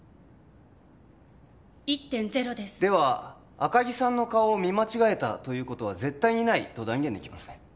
１．０ですでは赤木さんの顔を見間違えたということは絶対にないと断言できますね？